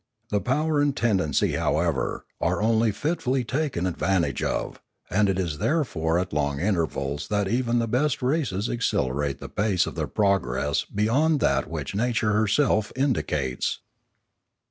The power and tendency, however, are only fitfully taken advantage of, and it is therefore at long intervals that even the best races accelerate the pace of their progress beyond that which nature herself indicates.